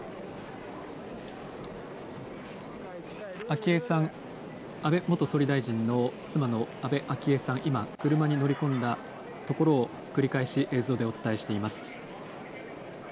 昭恵さん、安倍元総理大臣の妻の安倍昭恵さん、今、車に乗り込んだところを、繰り返し映像でお伝えしています。